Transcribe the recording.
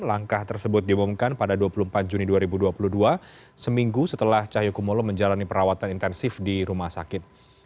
langkah tersebut diumumkan pada dua puluh empat juni dua ribu dua puluh dua seminggu setelah cahyokumolo menjalani perawatan intensif di rumah sakit